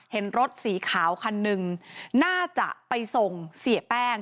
เห็นรถสีขาวคันหนึ่งน่าจะไปส่งเสียแป้ง